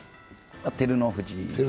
照ノ富士です。